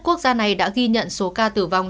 quốc gia này đã ghi nhận số ca tử vong